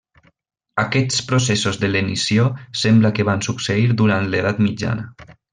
Aquests processos de lenició sembla que van succeir durant l'edat mitjana.